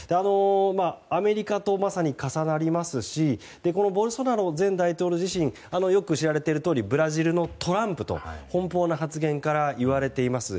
アメリカとまさに重なりますしボルソナロ前大統領自身よく知られているとおりブラジルのトランプと奔放な発言から言われています。